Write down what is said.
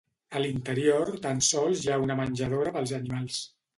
A l'interior tan sols hi ha una menjadora pels animals.